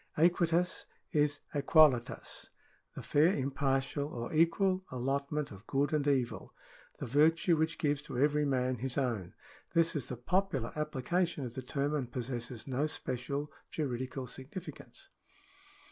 Aequitas is aequalitas — the fair impartial, or equal allotment of good and evil — the virtue which gives to every man his own. This is the popular application of the term, and possesses no special juridical significance.